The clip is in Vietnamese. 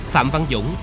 phạm văn dũng